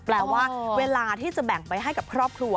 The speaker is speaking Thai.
แปลว่าเวลาที่จะแบ่งไปให้กับครอบครัว